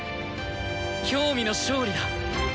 興味の勝利だ！